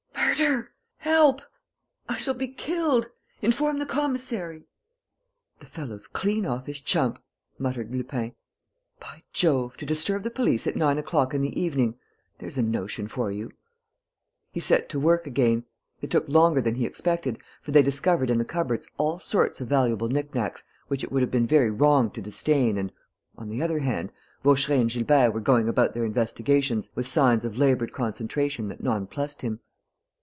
Murder!... Help!... I shall be killed!... Inform the commissary!" "The fellow's clean off his chump!" muttered Lupin. "By Jove!... To disturb the police at nine o'clock in the evening: there's a notion for you!" He set to work again. It took longer than he expected, for they discovered in the cupboards all sorts of valuable knick knacks which it would have been very wrong to disdain and, on the other hand, Vaucheray and Gilbert were going about their investigations with signs of laboured concentration that nonplussed him.